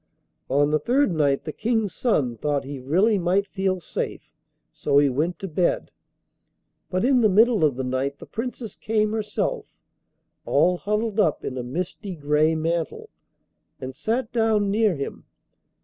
On the third night the King's son thought he really might feel safe, so he went to bed. But in the middle of the night the Princess came herself, all huddled up in a misty grey mantle, and sat down near him.